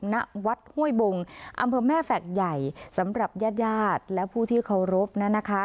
ณวัดห้วยบงอำเภอแม่แฝกใหญ่สำหรับญาติญาติและผู้ที่เคารพนั้นนะคะ